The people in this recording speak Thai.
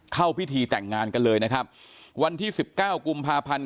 เข้าพิธีแต่งงานกันเลยนะครับวันที่สิบเก้ากุมภาพันธ์